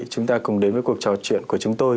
chúng ta cùng đến với cuộc trò chuyện của chúng tôi